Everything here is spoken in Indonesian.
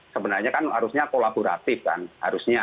sebenarnya kan harusnya kolaboratif kan harusnya